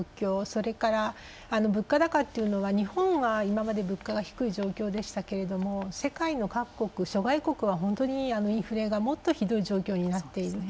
それから物価高っていうのは日本は今まで物価が低い状況でしたけれども世界の各国諸外国は本当にインフレがもっとひどい状況になっている。